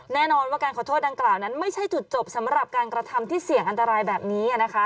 แน่นอนว่าการขอโทษดังกล่าวนั้นไม่ใช่จุดจบสำหรับการกระทำที่เสี่ยงอันตรายแบบนี้นะคะ